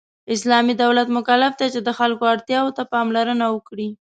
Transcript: اسلامی دولت مکلف دی چې د خلکو اړتیاوو ته پاملرنه وکړي .